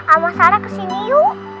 oma sarah kesini yuk